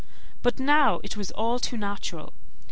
But now it was all too natural.